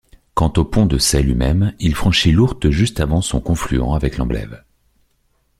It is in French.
Quant au Pont-de-Sçay lui-même, il franchit l'Ourthe juste avant son confluent avec l'Amblève.